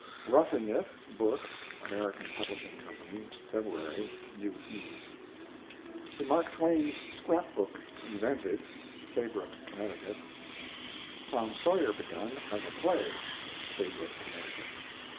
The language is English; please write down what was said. ROUGHING IT book (Am. Pub. Co.), February. U. E. THE MARK TWAIN SCRAP BOOK invented (Saybrook, Connecticut). TOM SAWYER begun as a play (Saybrook, Connecticut).